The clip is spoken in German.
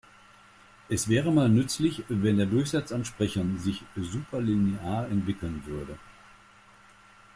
Es wäre mal nützlich, wenn der Durchsatz an Sprechern sich superlinear entwickeln würde.